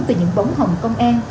từ những bóng hồng công an